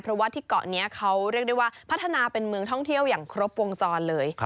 เพราะว่าที่เกาะนี้เขาเรียกได้ว่าพัฒนาเป็นเมืองท่องเที่ยวอย่างครบวงจรเลย